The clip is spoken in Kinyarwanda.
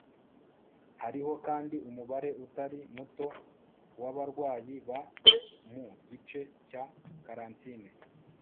Hariho kandi umubare utari muto wabarwayi ba mu gice cya karantine